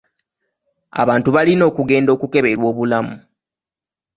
Abantu balina okugenda okukeberwa obulamu.